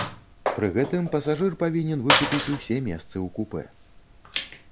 Пры гэтым пасажыр павінен выкупіць усе месцы ў купэ.